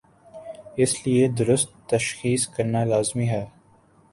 اس لئے درست تشخیص کرنالازمی ہے۔